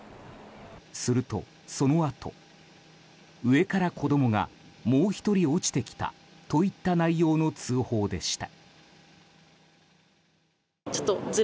すると、そのあと上から子供がもう１人落ちてきたといった内容の通報でした。